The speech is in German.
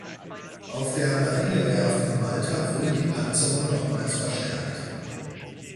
Auf der Marinewerft in Malta wurde die Panzerung nochmals verstärkt.